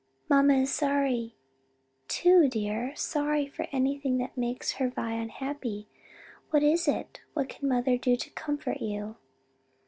"Mamma is sorry, too, dear, sorry for anything that makes her Vi unhappy. What is it? what can mother do to comfort you."